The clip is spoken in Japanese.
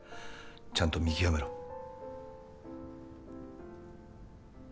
ちゃんと見極めろ。